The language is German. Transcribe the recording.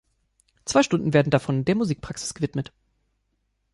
Zwei Stunden werden davon der Musikpraxis gewidmet.